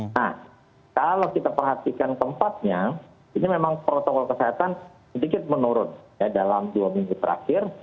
nah kalau kita perhatikan keempatnya ini memang protokol kesehatan sedikit menurun dalam dua minggu terakhir